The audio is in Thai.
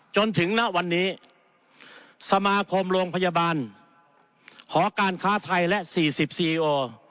จนถึงณวันนี้สมาคมโรงพยาบาลหอการค้าไทยและสี่สิบซีโอ